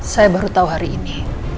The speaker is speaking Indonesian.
saya baru tahu hari ini